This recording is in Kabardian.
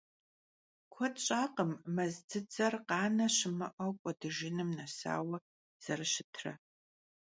Куэд щӀакъым мэз дзыдзэр къанэ щымыӀэу кӀуэдыжыным нэсауэ зэрыщытрэ.